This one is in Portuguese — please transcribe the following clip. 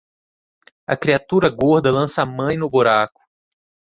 A criatura gorda lança a mãe no buraco.